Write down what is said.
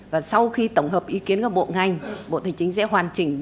và sau khi tổng hợp ý kiến của bộ ngành bộ tài chính sẽ hoàn chỉnh